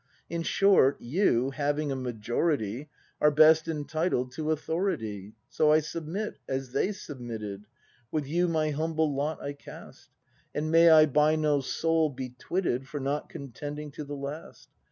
In short, you, having a majority. Are best entitled to authority. So I submit, as they submitted. With you my humble lot I cast. And may I by no soul be twitted For not contending to the last!